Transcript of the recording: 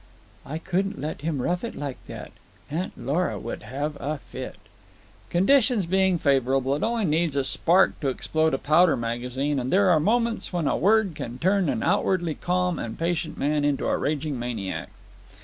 "I couldn't let him rough it like that. Aunt Lora would have a fit." Conditions being favourable, it only needs a spark to explode a powder magazine; and there are moments when a word can turn an outwardly calm and patient man into a raging maniac.